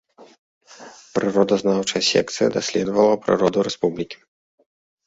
Прыродазнаўчая секцыя даследавала прыроду рэспублікі.